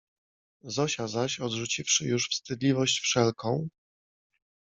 Zosia zaś odrzuciwszy już wstydliwość wszelką